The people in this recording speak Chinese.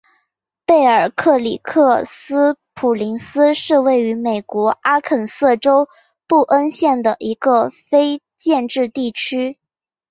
贝尔克里克斯普林斯是位于美国阿肯色州布恩县的一个非建制地区。